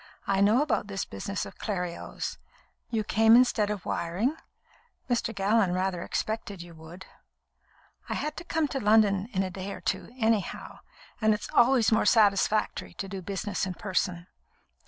"I know about this business of Clerios. You came instead of wiring? Mr. Gallon rather expected you would." "I had to come to London in a day or two, anyhow, and it's always more satisfactory to do business in person."